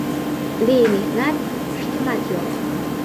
Bemehnat hikmat yo'q.